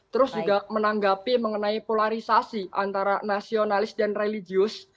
terus juga menanggapi mengenai polarisasi antara nasionalis dan religius